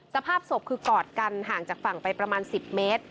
สภาพศพคือกอดกันห่างจากฝั่งไปประมาณ๑๐เมตร